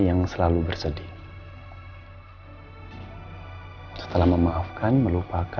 pasti tidur disini enak banget